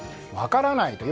分からない。